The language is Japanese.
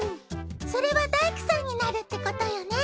それは大工さんになるってことよね？